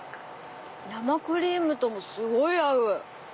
生クリームともすごい合う！